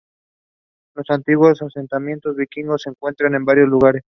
Los antiguos asentamientos vikingos se encuentran en varios lugares.